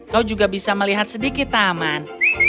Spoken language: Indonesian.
kau juga bisa melihat sedikit taman